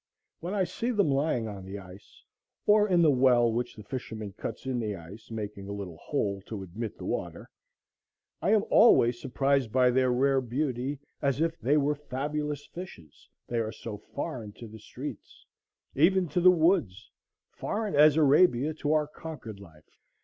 when I see them lying on the ice, or in the well which the fisherman cuts in the ice, making a little hole to admit the water, I am always surprised by their rare beauty, as if they were fabulous fishes, they are so foreign to the streets, even to the woods, foreign as Arabia to our Concord life.